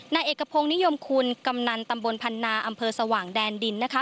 นายเอกพงศ์นิยมคุณกำนันตำบลพันนาอำเภอสว่างแดนดินนะคะ